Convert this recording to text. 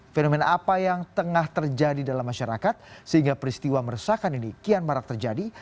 fenomena apa yang tengah terjadi dalam masyarakat sehingga peristiwa meresahkan ini kian marak terjadi